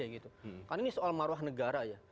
karena ini soal maruah negara ya